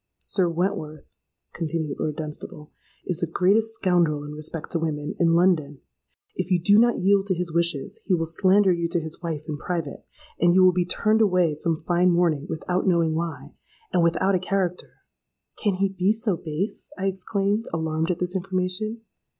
—'Sir Wentworth,' continued Lord Dunstable, 'is the greatest scoundrel in respect to women, in London. If you do not yield to his wishes, he will slander you to his wife in private: and you will be turned away some fine morning without knowing why, and without a character.'—'Can he be so base?' I exclaimed, alarmed at this information.